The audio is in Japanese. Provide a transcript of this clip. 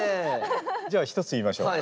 じゃあ１つ言いましょう。